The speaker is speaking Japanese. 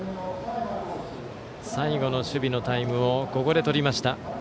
最後の守備のタイムをここでとりました。